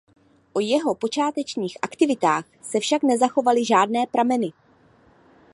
O jeho počátečních aktivitách se však nezachovaly žádné prameny.